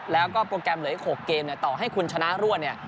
แล้วก็โปรแกรมเหลืออีก๖เกมเนี่ยต่อให้คุณชนะรวดเนี่ย